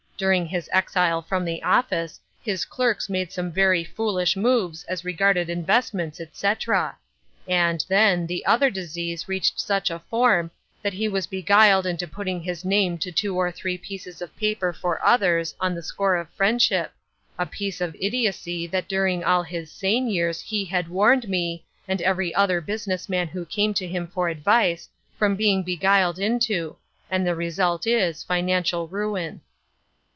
During his exile from the office his clerks made some very foolish moves, as regarded investments, etc. And, then, the other disease reached such a form that he was beguiled inta 382 Ruth Erslcine's Crosses. putting his name to two or three pieces of paper for others, on the score of friendship — a piece of idiocy that during all his sane years he had warned me, and every other business man who came to him for advice, from being beguiled into ; and the result is, financial ruin."